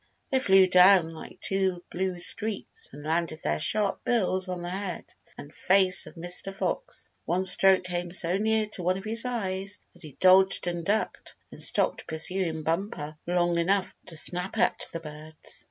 They flew down like two blue streaks and landed their sharp bills on the head and face of Mr. Fox. One stroke came so near to one of his eyes that he dodged and ducked, and stopped pursuing Bumper long enough to snap at the birds.